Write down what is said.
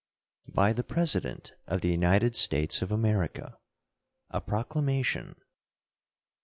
BY THE PRESIDENT OF THE UNITED STATES OF AMERICA. A PROCLAMATION.